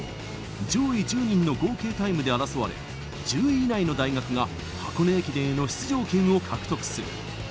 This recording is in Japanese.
上位１０人の合計タイムで争われ、１０位以内の大学が箱根駅伝への出場権を獲得する。